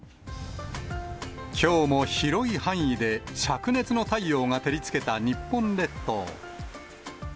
きょうも広い範囲で、しゃく熱の太陽が照りつけた日本列島。